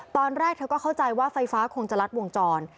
ตอนแรกเธอก็เข้าใจว่าไฟฟ้าคงจะลัดวงจร